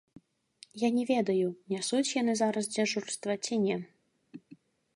Я не ведаю, нясуць яны зараз дзяжурства ці не.